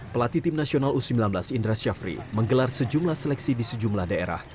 pelati timnasional u sembilan belas indra syafri menggelar sejumlah seleksi di sejumlah daerah